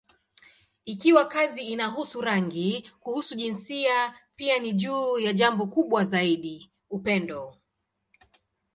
Ikiwa kazi inahusu rangi, kuhusu jinsia, pia ni juu ya jambo kubwa zaidi: upendo.